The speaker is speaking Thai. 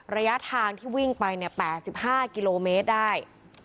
ระยะทางที่วิ่งไป๘๕กิโลเมตรได้